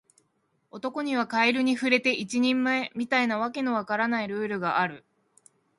男にはカエルに触れて一人前、みたいな訳の分からないルールがある